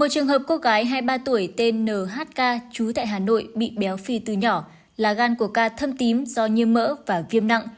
các gia đình đưa đến bệnh viện khám để điều trị béo phì